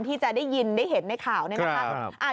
ที่จะได้ยินได้เห็นในข่าวเนี่ยนะคะ